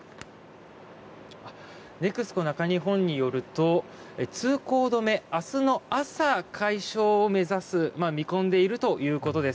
ＮＥＸＣＯ中日本によると通行止め、明日の朝解消を目指す見込んでいるということです。